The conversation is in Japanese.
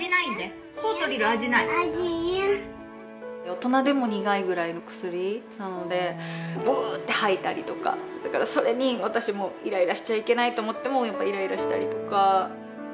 大人でも苦いくらいの薬なので、ぶーって吐いたりとか、それに私もイライラしちゃいけないと思ってもイライラしたりとか。